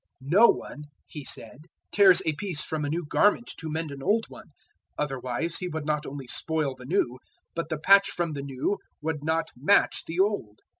"No one," He said, "tears a piece from a new garment to mend an old one. Otherwise he would not only spoil the new, but the patch from the new would not match the old.